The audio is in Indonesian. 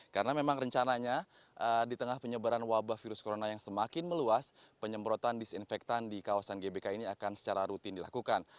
karena memang rencananya di tengah penyebaran wabah virus corona yang semakin meluas penyemprotan disinfektan di kawasan gbk ini akan secara rutin dilakukan